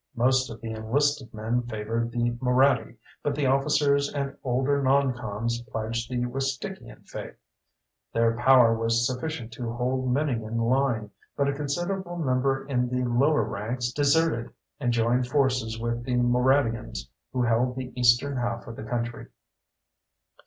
Most of the enlisted men favored the Moraddy, but the officers and older non coms pledged the Wistickian faith. Their power was sufficient to hold many in line, but a considerable number in the lower ranks deserted and joined forces with the Moraddians, who held the eastern half of the country.